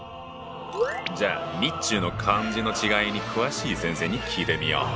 じゃあ日中の漢字の違いに詳しい先生に聞いてみよう。